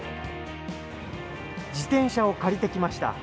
自転車を借りてきました。